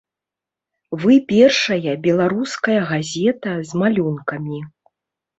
Вы першая беларуская газета з малюнкамі.